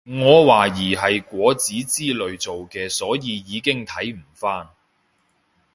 我懷疑係果籽之類做嘅所以已經睇唔返